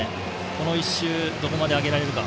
この１周でどこまで上げられるか。